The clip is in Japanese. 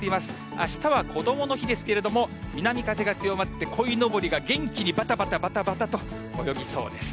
あしたはこどもの日ですけれども、南風が強まって、こいのぼりが元気にばたばたばたばたと泳ぎそうです。